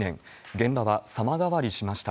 現場は様変わりしました。